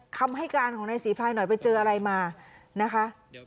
คำให้การของนายศรีภายหน่อยไปเจออะไรมานะคะ